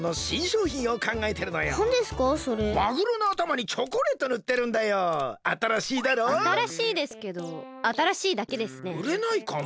うれないかな？